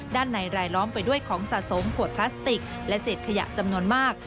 ในรายล้อมไปด้วยของสะสมขวดพลาสติกและเศษขยะจำนวนมาก